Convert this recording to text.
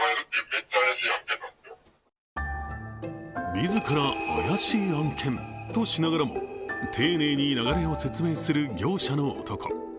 自ら「怪しい案件」としながらも丁寧に流れを説明する業者の男。